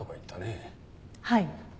はい。